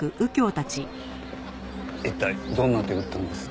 一体どんな手を打ったんです？